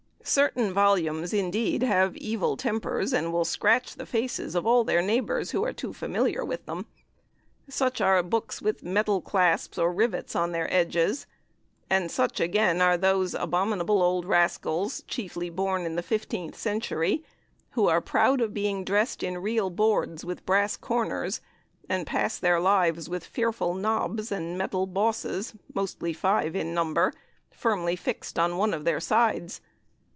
Certain volumes, indeed, have evil tempers, and will scratch the faces of all their neighbours who are too familiar with them. Such are books with metal clasps and rivets on their edges; and such, again, are those abominable old rascals, chiefly born in the fifteenth century, who are proud of being dressed in REAL boards with brass corners, and pass their lives with fearful knobs and metal bosses, mostly five in number, firmly fixed on one of their sides.